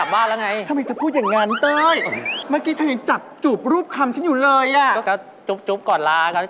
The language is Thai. ไปล้างั้นจะให้ลูกร้านหนาเธอพาฉันมา